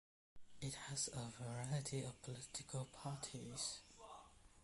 It has a variety of political parties.